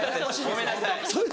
ごめんなさい。